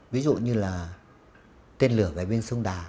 ví dụ như là tên lửa về bên sông đà